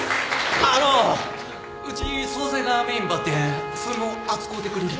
あのうち総菜がメインばってんそいも扱うてくれると？